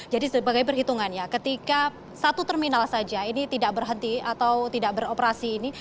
jadi sebagai perhitungan ya ketika satu terminal saja ini tidak berhenti atau tidak beroperasi ini